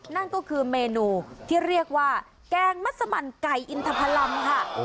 นั่นก็คือเมนูที่เรียกว่าแกงมัสมันไก่อินทพลัมค่ะ